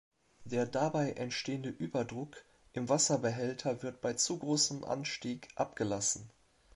Der dabei entstehende Überdruck im Wasserbehälter wird bei zu großem Anstieg abgelassen.